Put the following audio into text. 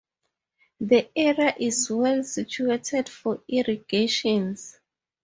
The area is well suited for irrigations.